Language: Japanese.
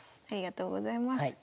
ありがとうございます。